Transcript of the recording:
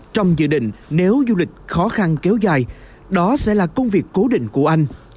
trong dự định nếu du lịch khó khăn kéo dài đó sẽ là công việc cố định của anh